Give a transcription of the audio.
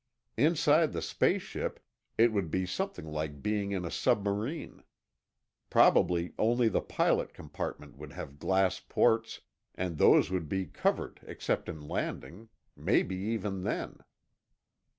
Inside the space ship, it would be something like being in a submarine. Probably only the pilot compartment would have glass ports, and those would be covered except in landing—maybe even then.